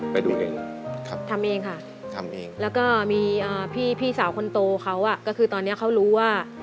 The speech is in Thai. ไปดูเลยค่ะทำเองค่ะและมีพี่สาวคนโตว่าตอนนี้เขารู้ว่า